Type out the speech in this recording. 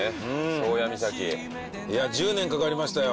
宗谷岬うんいや１０年かかりましたよ